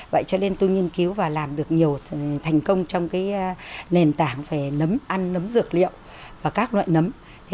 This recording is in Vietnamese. vậy cho nên tôi nghiên cứu và làm được nhiều thành công trong nền tảng về nấm ăn nấm dược liệu và các loại nấm